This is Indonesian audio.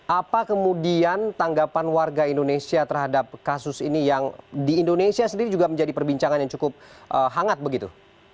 apa kemudian tanggapan warga indonesia terhadap kasus ini yang di indonesia sendiri juga menjadi perbincangan yang cukup hangat begitu